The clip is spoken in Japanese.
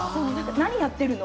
何やってるの？